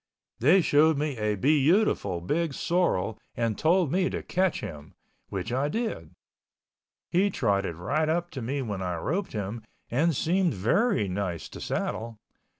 They showed me a beautiful big sorrel and told me to catch him, which I did. He trotted right up to me when I roped him and seemed very nice to saddle.